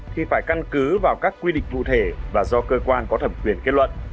thì phải căn cứ vào các quy định cụ thể và do cơ quan có thẩm quyền kết luận